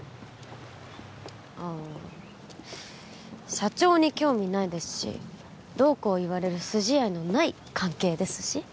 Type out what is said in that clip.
社長に興味ないですしどうこう言われる筋合いのない関係ですし？